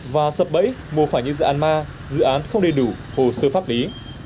và sập bẫy mua phải những dự án ma dự án không đầy đủ hồ sơ pháp lý